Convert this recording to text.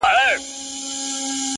سیاه پوسي ده جنگ دی جدل دی